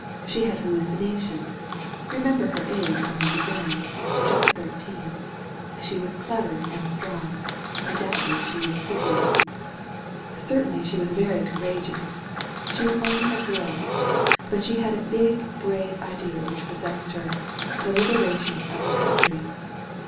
She had hallucinations. Remember her age when they b^an — ^just thirteen. She was clever and strong; doubtless she was pretty; certainly she 123 THE VALLEY OF VISION was very courageous. She was only a girl. But she had a big, brave idea which possessed her — the liberation of her country.